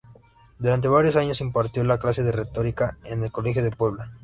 Durante varios años impartió la clase de retórica en el Colegio de Puebla.